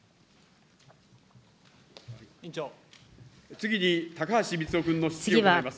次に高橋光男君の質疑を行います。